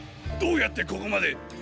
どうやってここまで！？